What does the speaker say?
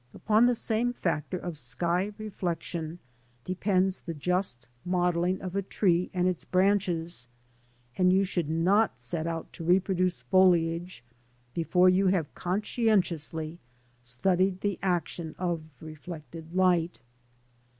Upon the same factor of sky reflection depends the just modelling of a tree and its branches, and you should not set out to reproduce foliage before you have conscientiously studied the action of reflected light.